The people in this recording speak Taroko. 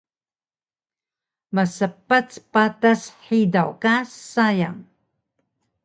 Maspac patas hidaw ka sayang